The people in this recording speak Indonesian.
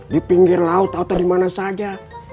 di pinggir laut atau dimana saja